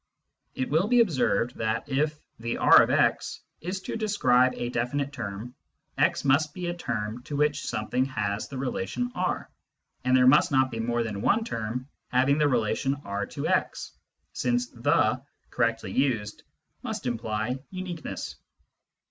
It will be observed that if " the R of x " is to describe a definite term, x must be a term to which something has the relation R, and there must not be more than one term having the relation R to x, since " the," correctly used, must imply uniqueness.